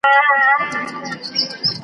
اسناد باید خوندي وساتل شي.